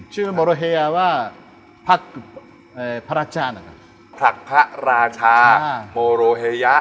ชื่อโมโรเฮยะว่าผักเอ่อพระราชานะครับผักพระราชาโมโรเฮยะ